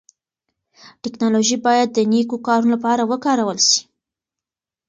ټکنالوژي بايد د نيکو کارونو لپاره وکارول سي.